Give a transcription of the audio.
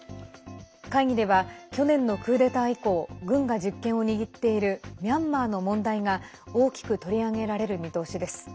会議では去年のクーデター以降軍が実権を握っているミャンマーの問題が大きく取り上げられる見通しです。